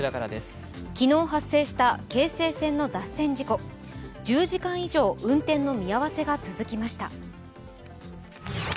昨日発生した京成線の脱線事故、１０時間以上、運転の見合わせが続きました。